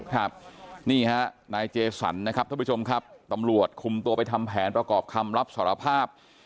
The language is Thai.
ครับนี่ฮะนายเจสันนะครับท่านผู้ชมครับตำรวจคุมตัวไปทำแผนประกอบคำรับสารภาพ